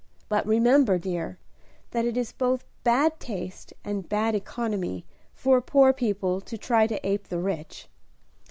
But remember, dear, that it is both bad taste and bad economy for poor people to try to ape the rich."